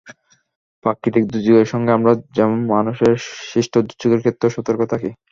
প্রাকৃতিক দুর্যোগের সঙ্গে আমরা যেন মানুষের সৃষ্ট দুর্যোগের ক্ষেত্রেও সতর্ক থাকি।